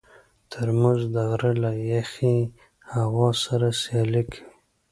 ترموز د غره له یخې هوا سره سیالي کوي.